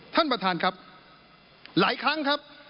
ท่านประธานครับหลายครั้งครับ